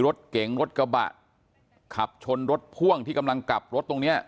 รถเก๋งรถกระบะขับชนรถพ่วงที่กำลังกลับรถตรงเนี้ย